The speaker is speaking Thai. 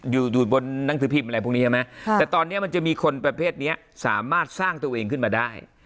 อยู่บนหนังสือพิมพ์อะไรพวกนี้ใช่ไหมแต่ตอนนี้มันจะมีคนประเภทนี้สามารถสร้างตัวเองขึ้นมาได้